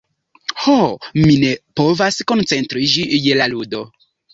Ho, mi ne povas koncentriĝi je la ludo...